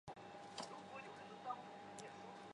克雷莫。